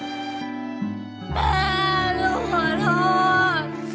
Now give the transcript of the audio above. แม่หนูขอโทษ